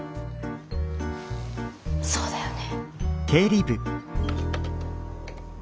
そうだよね。